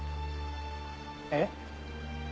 えっ？